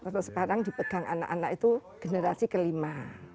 kalau sekarang dipegang anak anak itu generasi kelima